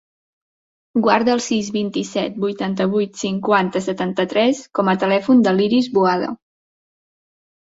Guarda el sis, vint-i-set, vuitanta-vuit, cinquanta, setanta-tres com a telèfon de l'Iris Boada.